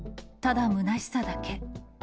ただむなしさだけ。